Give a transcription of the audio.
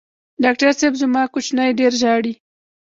ډاکټر صېب زما کوچینی ډېر ژاړي